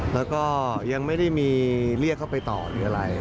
แล้วก็ยังไม่ได้มีเรียกเข้าไปต่อหรืออะไร